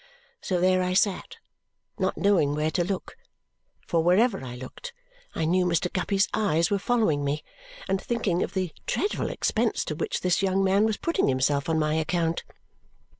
So there I sat, not knowing where to look for wherever I looked, I knew Mr. Guppy's eyes were following me and thinking of the dreadful expense to which this young man was putting himself on my account.